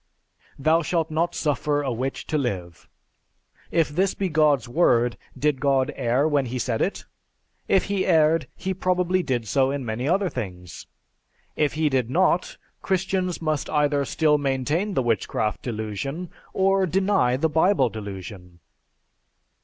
"Thou shalt not suffer a witch to live." If this be God's word, did God err when He said it? If He erred, He probably did so in many other things; if He did not Christians must either still maintain the Witchcraft Delusion or deny the Bible Delusion.